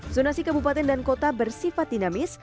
zonasi kabupaten dan kota bersifat dinamis